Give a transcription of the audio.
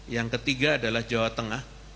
yang ketiga adalah jawa tengah